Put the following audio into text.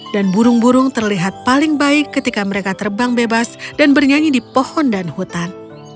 dan burung burung terlihat paling baik ketika mereka terbang bebas dan bernyanyi di pohon dan hutan